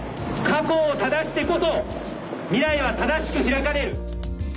過去を正してこそ未来は正しく開かれる。